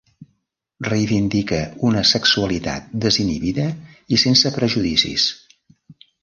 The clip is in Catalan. Reivindica una sexualitat desinhibida i sense prejudicis.